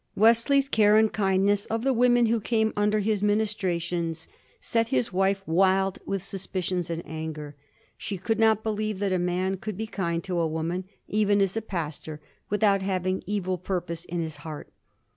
Wesley's care and kindness of the women who came under his ministrations set his wife wild with suspicion and anger. She could not believe that a man could be kind to a woman, even as a pastor, without having evil purpose in his heart.